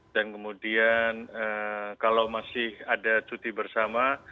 dan kemudian kalau masih ada cuti bersama